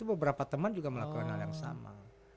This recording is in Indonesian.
beberapa teman juga melakukan hal yang sama